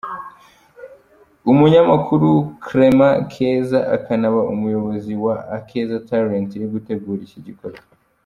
Umunyamakuru Clemy Keza, akanaba umuyobozi wa Akeza talent iri gutegura iki gikorwa.